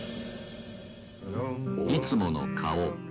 いつもの顔。